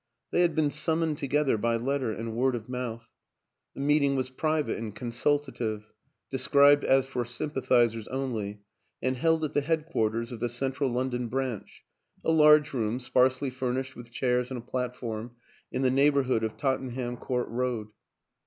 They had been summoned together by letter and word of mouth; the meeting was private and con sultative, described as for sympathizers only, and held at the headquarters of the Central London Branch a large room, sparsely furnished with chairs and a platform, in the neighborhood of Tottenham Court Road.